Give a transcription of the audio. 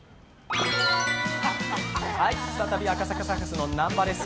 再び赤坂サカスの南波です。